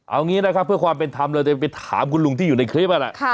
เอางี้นะครับเพื่อความเป็นธรรมเราจะไปถามคุณลุงที่อยู่ในคลิปนั่นแหละ